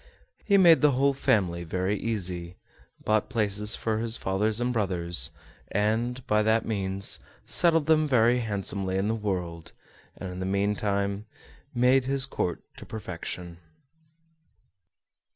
He made the whole family very easy, bought places for his father and brothers, and, by that means, settled them very handsomely in the world, and, in the meantime, made his court to perfection.